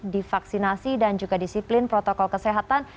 divaksinasi dan juga disiplin protokol kesehatan